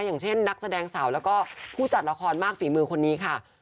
อย่างเช่นนักแสดงสาวแล้วก็ผู้จัดละครมากฝีมือคนนี้ค่ะ